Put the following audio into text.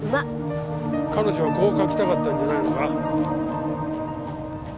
彼女はこう書きたかったんじゃないのか？